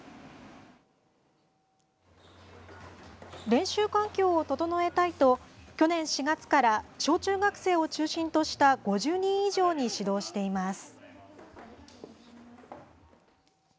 練習環境を整えたいと去年４月から小中学生を中心とした５０人以上に指導しています。